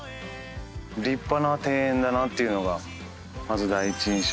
立派な庭園だなっていうのがまず第一印象ですね。